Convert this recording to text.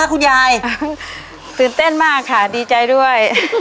โปรแป๊เนี่ย